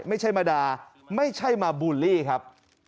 ไม่ใช่มาด่าไม่ใช่มาบูลลี่ครับ